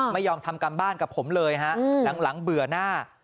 ไม่ยอมทำการบ้านกับผมเลยฮะหลังเบื่อหน้า